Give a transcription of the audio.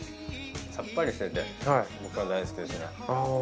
サッパリしてて僕は大好きですね。